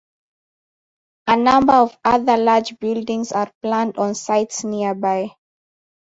A number of other large buildings are planned on sites nearby.